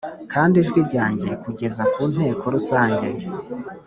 kandi ijwi ryanjye Kugeza ku Nteko Rusange